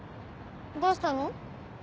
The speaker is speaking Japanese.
どうしたの？